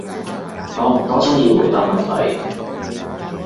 我唔多中意答問題